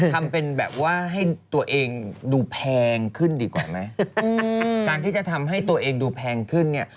ทำเป็นแบบว่าให้ตัวเองดูแพงขึ้นดีกว่าไหมการที่จะทำให้ตัวเองดูแพงขึ้นเนี่ย